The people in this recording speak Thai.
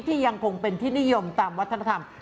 ยังคงเป็นที่นิยมตามวัฒนธรรม